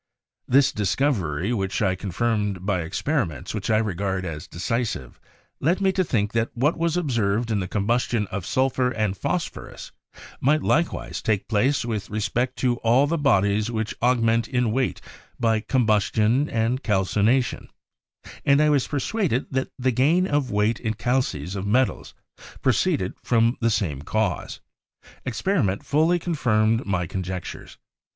This discov ery, which I confirmed by experiments which I regard as decisive, led me to think that what is observed in the combustion of sulphur and phosphorus might likewise take place with respect to all the bodies which augment in weight by combustion and calcination; and I was per suaded that the gain of weight in calces of metals pro ceeded from the same cause. Experiment fully confirmed my conjectures.